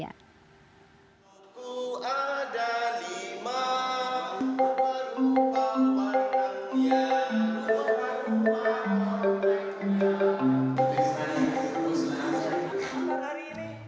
kedutaan besar indonesia